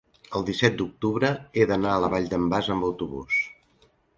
el disset d'octubre he d'anar a la Vall d'en Bas amb autobús.